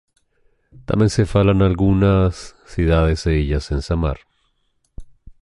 Tamén se fala nalgunhas cidades e illas en Samar.